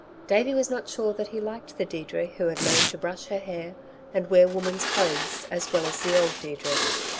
Davey was not sure that he liked the Deirdre who had learnt to brush her hair and wear woman's clothes as well as the old Deirdre.